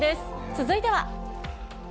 続いては。